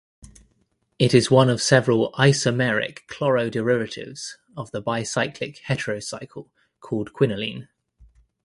It is one of several isomeric chloro derivatives of the bicyclic heterocycle called quinoline.